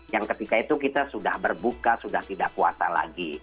yang ketika itu kita sudah berbuka sudah tidak puasa lagi